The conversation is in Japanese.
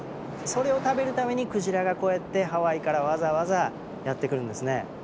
それを食べるためにクジラがこうやってハワイからわざわざやって来るんですね。